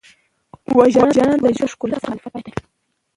وژنه د ژوند له ښکلا سره مخالفت دی